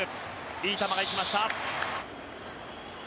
いい球が行きました。